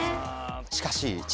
しかし。